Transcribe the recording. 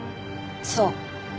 そう。